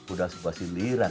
udah sebuah sindiran